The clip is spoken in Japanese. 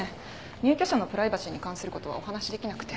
入居者のプライバシーに関する事はお話しできなくて。